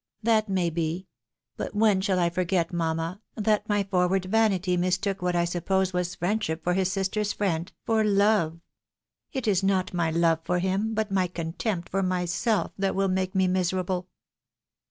" That may be. But when shall I forget, mamma, that my forward vanity mistook what I suppose was friendship for his sister's friend, for love ? It is not my love for him, but my contempt for myself, that will make me miserable."